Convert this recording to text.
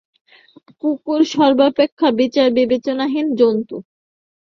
কুকুর সর্বাপেক্ষা বিচার বিবেচনাহীন জন্তু।